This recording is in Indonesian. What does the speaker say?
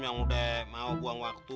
yang udah mau buang waktu